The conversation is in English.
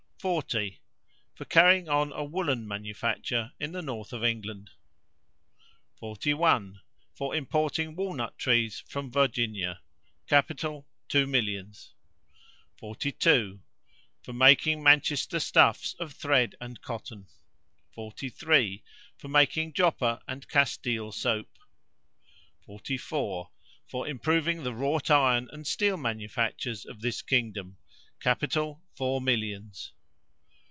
40. For carrying on a woollen manufacture in the North of England. 41. For importing walnut trees from Virginia, Capital, two millions. 42. For making Manchester stuffs of thread and cotton. 43. For making Joppa and Castile soap. 44. For improving the wrought iron and steel manufactures of this kingdom. Capital four millions.